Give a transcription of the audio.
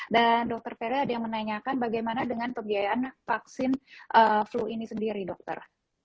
dan dokter ferli ada yang menanyakan bagaimana dengan pembiayaan vaksin flu ini sendiri dokter